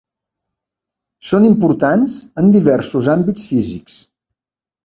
Són importants en diversos àmbits físics.